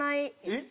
えっ？